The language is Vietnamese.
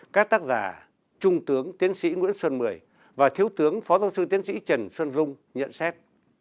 các tác giả trung tướng tiến sĩ nguyễn xuân mười và thiếu tướng phó giáo sư tiến sĩ trần xuân dung nhận xét